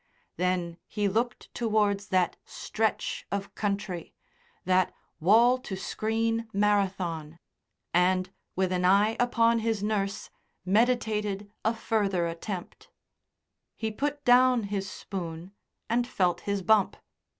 Then he looked towards that stretch of country that wall to screen marathon and, with an eye upon his nurse, meditated a further attempt. He put down his spoon, and felt his bump.